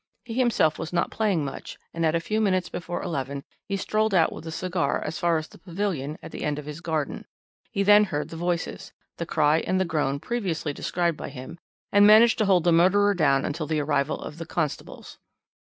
He himself was not playing much, and at a few minutes before eleven he strolled out with a cigar as far as the pavilion at the end of his garden; he then heard the voices, the cry and the groan previously described by him, and managed to hold the murderer down until the arrival of the constables.